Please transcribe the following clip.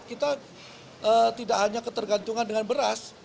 kita tidak hanya ketergantungan dengan beras